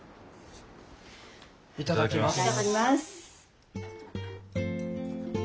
いただきます。